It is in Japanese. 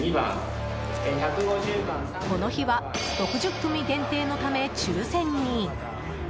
この日は６０組限定のため抽選に。